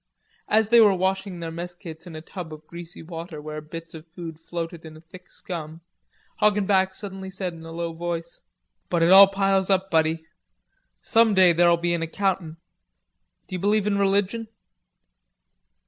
As they were washing their mess kits in a tub of greasy water, where bits of food floated in a thick scum, Hoggenback suddenly said in a low voice: "But it all piles up, Buddy; some day there'll be an accountin'. D'you believe in religion?"